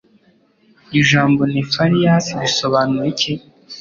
ijambo Nefarious bisobanura iki?